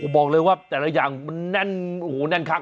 บอกเลยว่าแต่ละอย่างมันแน่นโอ้โหแน่นคัก